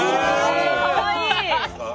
かわいい！